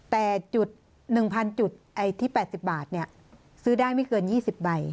แต่จุด๑๐๐จุดที่๘๐บาทซื้อได้ไม่เกิน๒๐ใบ